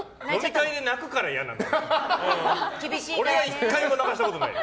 泣くから嫌なんだよ。